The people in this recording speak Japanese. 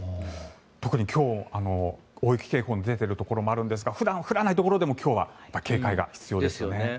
特に今日は大雪警報の出ているところもあるんですが普段降らないところでも今日は警戒が必要ですね。